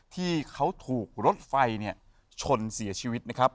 ที่เขาถูกรถไฟชนเสียชีวิตนะครับ